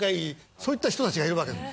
そういった人たちがいるわけだ。